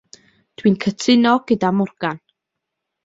Dwi'n cytuno gyda Morgan.